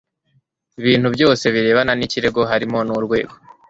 bintu byose birebana n ikirego harimo n urwego